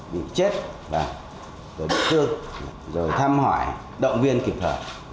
bị chết rồi bị cư rồi tham hỏi động viên kịp thời